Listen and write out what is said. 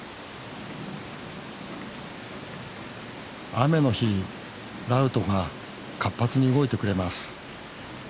雨の日ラウトが活発に動いてくれます。